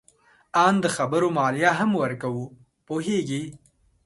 آن د خبرو مالیه هم ورکوو. پوهیږې؟